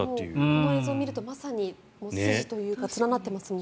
この映像を見るとまさに筋というか連なってますもんね。